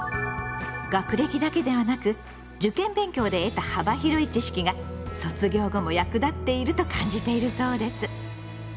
学歴だけではなく受験勉強で得た幅広い知識が卒業後も役立っていると感じているそうです。